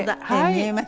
見えますね。